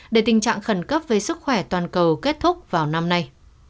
để tình trạng khẩn cấp về sức khỏe toàn cầu kết thúc vào năm nay